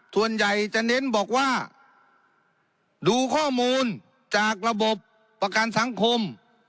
ส่วนใหญ่จะเน้นบอกว่าดูข้อมูลจากระบบประกันสังคม